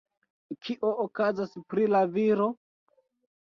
Kio okazas pri la viro?